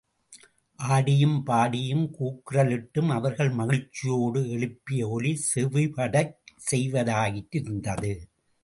ஆடியும், பாடியும், கூக்குரலிட்டும் அவர்கள் மகிழ்ச்சியோடு எழுப்பிய ஒலி செவிடுபடச் செய்வதாயிருந்தது.